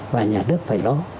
và nhà đất phải lo